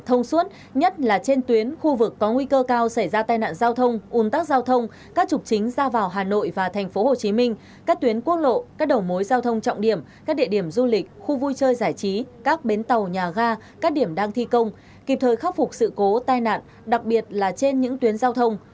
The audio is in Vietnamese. thông suốt nhất là trên tuyến khu vực có nguy cơ cao xảy ra tai nạn giao thông un tắc giao thông các trục chính ra vào hà nội và tp hcm các tuyến quốc lộ các đầu mối giao thông trọng điểm các địa điểm du lịch khu vui chơi giải trí các bến tàu nhà ga các điểm đang thi công kịp thời khắc phục sự cố tai nạn đặc biệt là trên những tuyến giao thông